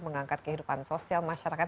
mengangkat kehidupan sosial masyarakat